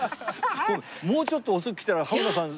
もうちょっと遅く来たら羽村先生は。